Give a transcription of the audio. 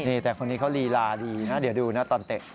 นี่แต่คนนี้เขาลีลาดีนะเดี๋ยวดูนะตอนเตะ